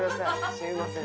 すみません。